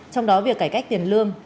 trong đó việc cải cách tiền lương